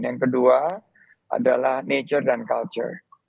yang kedua adalah nature dan culture